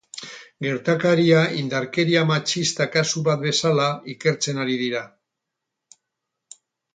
Gertakaria indarkeria matxista kasu bat bezala ikertzen ari dira.